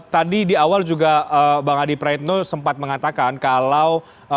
tadi di awal juga bang adi praetno sempat mengatakan kalau